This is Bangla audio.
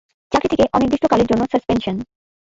চাকরি থেকে অনির্দিষ্টকালের জন্য সাসপেনশন।